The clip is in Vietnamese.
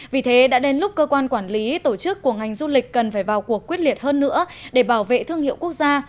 vì thế đã đến lúc cơ quan quản lý tổ chức của ngành du lịch cần phải vào cuộc quyết liệt hơn nữa để bảo vệ thương hiệu quốc gia